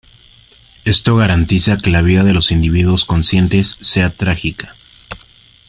Esto garantiza que la vida de los individuos conscientes sea trágica.